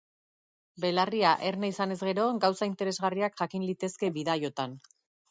Belarria erne izanez gero, gauza interesgarriak jakin litezke bidaiotan.